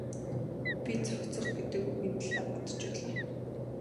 Би зохицох гэдэг үгийн талаар бодож байлаа.